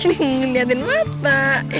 ih liatin mata